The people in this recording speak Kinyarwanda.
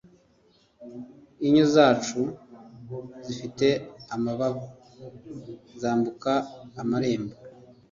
inyo zacu zifite amababa, zambuka amarembo